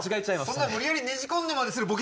そんな無理やりねじ込んでまでするボケ